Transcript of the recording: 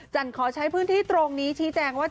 จันทร์ขอใช้พื้นที่ตรงนี้ที่แจงว่า